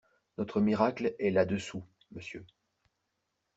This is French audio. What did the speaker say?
Notre miracle est là-dessous, monsieur!